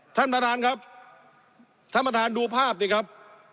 ท่านประธานครับท่านประธานดูภาพสิครับ